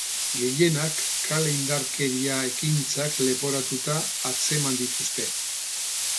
Gehienak kale indarkeria ekintzak leporatuta atzeman dituzte.